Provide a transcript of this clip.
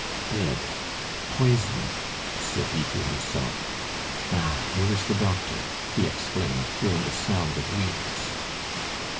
"Dead! Poisoned!" said he to himself. "Ah! here is the doctor!" he exclaimed, hearing the sound of wheels.